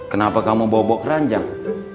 kenapa kamu bobok ranjang